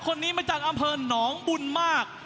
คนนี้มาจากอำเภอหนองบุญมาก